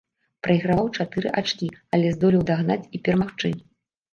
Прайграваў чатыры ачкі, але здолеў дагнаць і перамагчы.